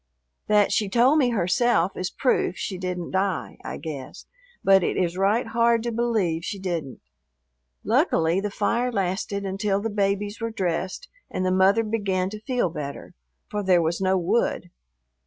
That she told me herself is proof she didn't die, I guess, but it is right hard to believe she didn't. Luckily the fire lasted until the babies were dressed and the mother began to feel better, for there was no wood.